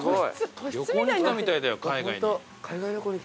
旅行に来たみたいだよ海外に。